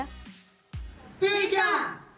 tiga dua satu